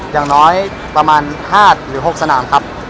อย่างน้อยประมาณ๕หรือ๖สนามครับ